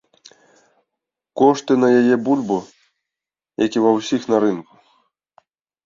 Кошты на яе бульбу, як і ва ўсіх на рынку.